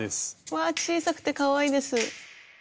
わあ小さくてかわいいです。